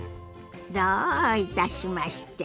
どういたしまして。